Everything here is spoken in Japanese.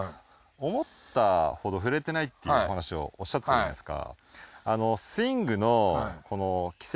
思ったほど振れてないっていう話をおっしゃってたじゃないですか。